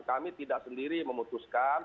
kami tidak sendiri memutuskan